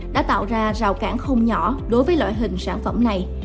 đã tạo ra rào cản không nhỏ đối với loại hình sản phẩm này